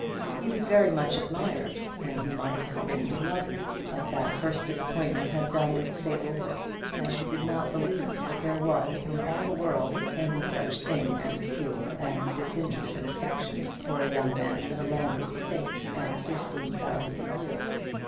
He was very much admired, and he might have been beloved; but that first disappointment had done its fatal work, and he did not believe that there was in all the world any such thing as pure and disinterested affection for a young man with a landed estate and fifteen thousand a year.